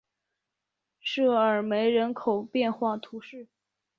沙尔梅人口变化图示